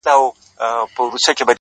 هغه به څرنګه بلا وویني _